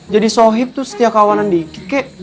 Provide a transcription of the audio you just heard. jadi sohip tuh setiap kawanan dikit kek